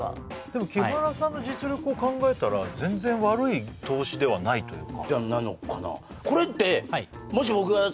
でも木原さんの実力を考えたら全然悪い投資ではないというかなのかな？